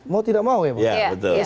mau tidak mau ya bang